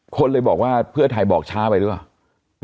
คนเลยบอกว่าเพื่อไทยบอกช้าไปหรือเปล่า